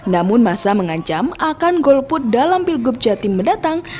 namun masa mengancam akan golput dalam pilgub jatim mendatang